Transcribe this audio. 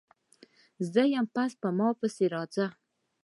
_زه يم، په ما پسې راځه!